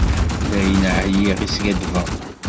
Dayen, ɛyiɣ i skaddbeɣ.